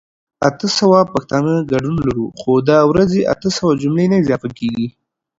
اته سوه پښتانه ګډون لرو خو دا ورځې اته سوه جملي نه اضافه کيږي